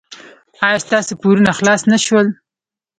ایا ستاسو پورونه خلاص نه شول؟